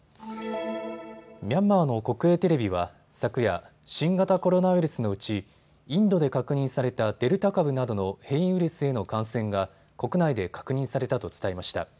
ミャンマーの国営テレビは昨夜、新型コロナウイルスのうちインドで確認されたデルタ株などの変異ウイルスへの感染が国内で確認されたと伝えました。